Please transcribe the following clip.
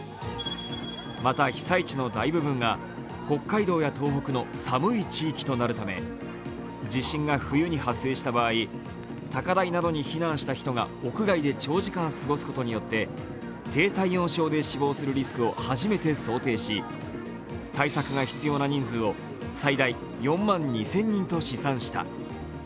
また被災地の大部分が北海道や東北の寒い地域となるため地震が冬に発生した場合、高台などに避難した人が屋外で長時間過ごすことによって低体温症で死亡するリスクを初めて想定し対策が必要な人数を最大４万２０００人と試算した。